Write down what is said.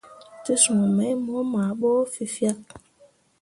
Te suu mai mo maa ɓo fẽefyak.